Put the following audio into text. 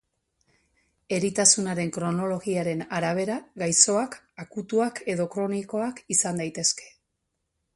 Eritasunaren kronologiaren arabera, gaixoak akutuak edo kronikoak izan daitezke.